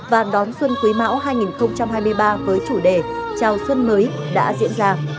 và đón xuân quý mão hai nghìn hai mươi ba với chủ đề chào xuân mới đã diễn ra